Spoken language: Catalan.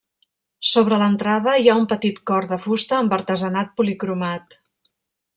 Sobre l'entrada hi ha un petit cor de fusta amb artesanat policromat.